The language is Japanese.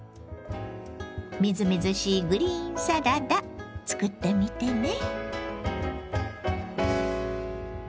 みずみずしいグリーンサラダ作ってみてね。